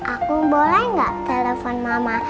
aku boleh nggak telepon mama